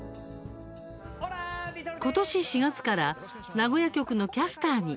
今年４月から名古屋局のキャスターに。